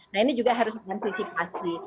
nah ini juga harus diantisipasi